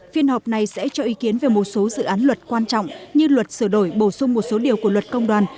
phiên họp này sẽ cho ý kiến về một số dự án luật quan trọng như luật sửa đổi bổ sung một số điều của luật công đoàn